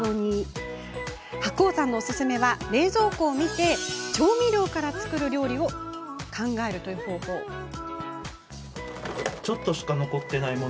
白央さんのおすすめは冷蔵庫を見て調味料から作る料理を考えるという方法です。